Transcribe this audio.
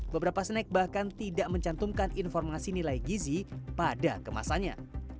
beberapa snack bahkan tidak mencantumkan informasi nilai gizi pada kemasannya